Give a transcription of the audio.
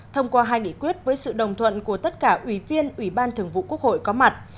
thông qua hai nghị quyết với sự đồng thuận của tất cả ủy viên ủy ban thường vụ quốc hội có mặt